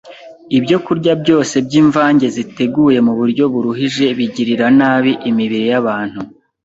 Ibyokurya byose by’imvange ziteguye mu buryo buruhije bigirira nabi imibiri y’abantu.